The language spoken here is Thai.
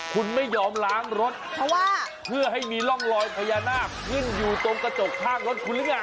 คุณไม่ยอมล้างรถเพราะว่าเพื่อให้มีร่องรอยพญานาคขึ้นอยู่ตรงกระจกข้างรถคุณหรือไง